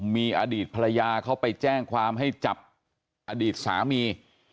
มีอดีตภรรยาเขาไปแจ้งความให้จับอดีตสามี